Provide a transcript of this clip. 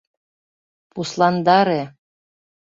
Пусландаре!